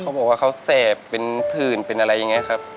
เขาบอกว่าเขาแสบเป็นผื่นเป็นอะไรอย่างนี้ครับ